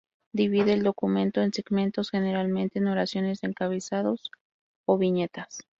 Divide el documento en segmentos, generalmente en oraciones, encabezados o viñetas.